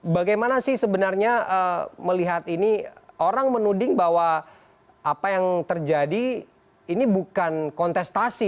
bagaimana sih sebenarnya melihat ini orang menuding bahwa apa yang terjadi ini bukan kontestasi